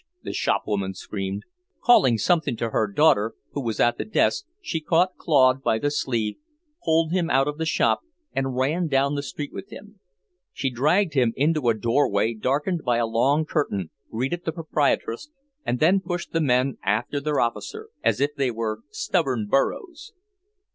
the shop woman screamed. Calling something to her daughter, who was at the desk, she caught Claude by the sleeve, pulled him out of the shop, and ran down the street with him. She dragged him into a doorway darkened by a long curtain, greeted the proprietress, and then pushed the men after their officer, as if they were stubborn burros.